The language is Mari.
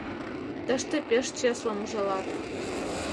Тыште пеш чеслым ужалат.